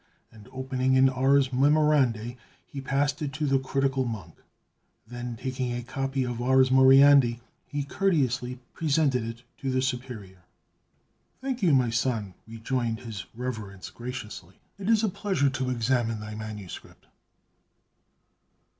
and opening an "Ars Memorandi," he passed it to the critical monk. Then taking a copy of "Ars Moriendi" he courteously presented it to the Superior. "Thank you, my son!" rejoined his Reverence graciously. "It is a pleasure to examine thy manuscript."